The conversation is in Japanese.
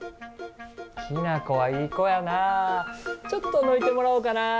キナコはいい子やな、ちょっとのいてもらおうかな。